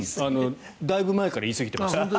だいぶ前から言いすぎてました。